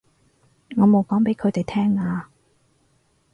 我冇講畀佢哋聽啊